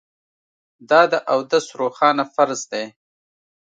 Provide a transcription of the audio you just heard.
دا د اودس روښانه فرض دی